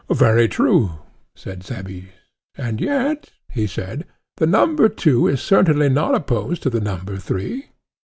Very true, said Cebes. And yet, he said, the number two is certainly not opposed to the number three?